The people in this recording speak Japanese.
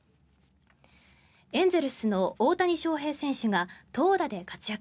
エンゼルスの大谷翔平選手が投打で活躍。